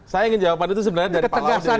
saya ingin jawaban itu sebenarnya dari pak laude